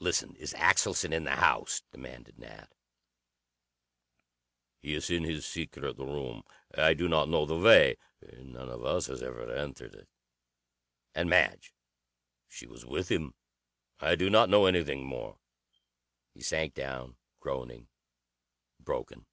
"Listen. Is Axelson in the house?" demanded Nat. "He is in his secret room. I do not know the way. None of us has ever entered it." "And Madge?" "She was with him. I do not know anything more." He sank down, groaning, broken.